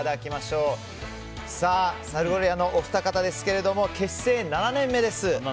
サルゴリラのお二方ですが結成７年目です。